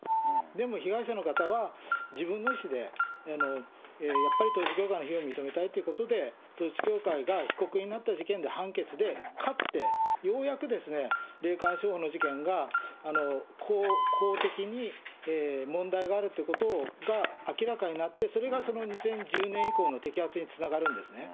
でも、被害者の方は、自分の意思で、やっぱり統一教会の非を認めたいということで、統一教会が被告になった事件で、判決で、勝って、ようやく霊感商法の事件が、公的に問題があるということが明らかになって、それがその２０１０年以降の摘発につながるんですね。